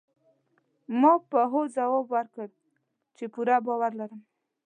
ما په هوځواب ورکړ، چي پوره باور لرم.